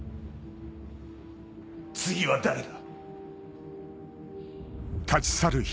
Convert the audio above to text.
次は誰だ？